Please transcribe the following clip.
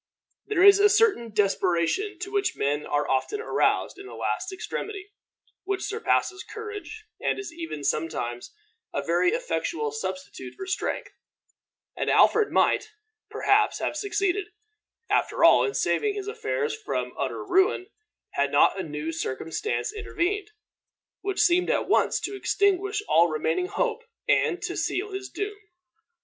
There is a certain desperation to which men are often aroused in the last extremity, which surpasses courage, and is even sometimes a very effectual substitute for strength; and Alfred might, perhaps, have succeeded, after all, in saving his affairs from utter ruin, had not a new circumstance intervened, which seemed at once to extinguish all remaining hope and to seal his doom.